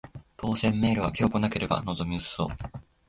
当せんメールは今日来なければ望み薄そう